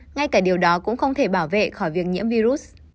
ngay cả điều đó cũng không thể bảo vệ khỏi việc nhiễm virus